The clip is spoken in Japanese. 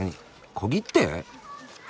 小切手！？